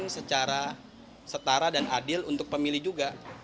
secara setara dan adil untuk pemilih juga